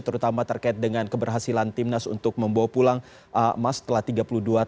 terutama terkait dengan keberhasilan timnas untuk membawa pulang emas setelah tiga puluh dua tahun